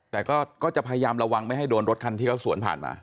แต่ก็จะพยายามระวังไม่ให้โดนรถคันที่เขาสวนผ่านมา